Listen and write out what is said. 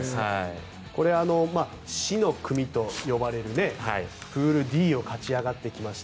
これ、死の組と呼ばれるプールＤを勝ち上がってきました